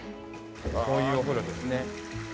こういうお風呂ですね。